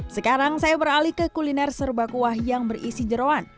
sekarang saya beralih ke kuliner serba kuah yang berisi jerawan